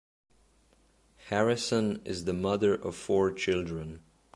Harrison is the mother of four children.